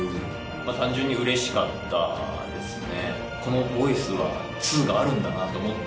単純にうれしかったですね。